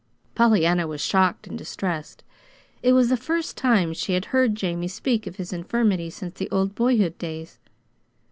Pollyanna was shocked and distressed. It was the first time she had heard Jamie speak of his infirmity since the old boyhood days.